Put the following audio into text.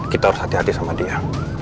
kita harus hati hati sama dia